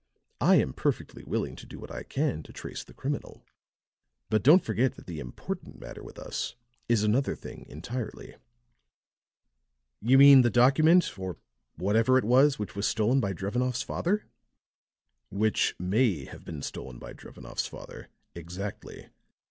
I am perfectly willing to do what I can to trace the criminal, but don't forget that the important matter with us is another thing entirely." "You mean the document, or whatever it was, which was stolen by Drevenoff's father?" "Which may have been stolen by Drevenoff's father. Exactly.